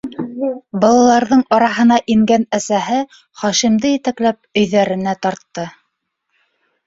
- Балаларҙың араһына ингән әсәһе, Хашимды етәкләп, өйҙәренә тартты.